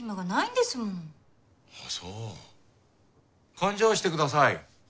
勘定してください！